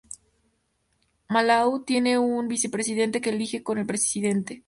Malaui tiene un vicepresidente que se elige con el presidente.